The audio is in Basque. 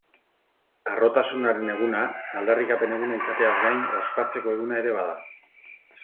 Harrotasunaren eguna aldarrikapen eguna izateaz gain, ospatzeko eguna ere bada.